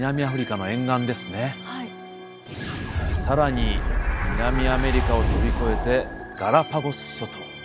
更に南アメリカを飛び越えてガラパゴス諸島。